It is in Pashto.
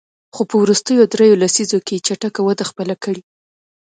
خو په وروستیو دریوو لسیزو کې یې چټکه وده خپله کړې.